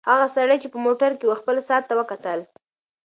هغه سړی چې په موټر کې و خپل ساعت ته وکتل.